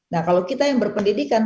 nah kalau kita yang berpendidikan